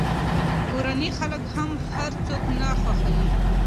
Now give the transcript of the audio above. کورني خلک هم هر څوک نه خوښوي.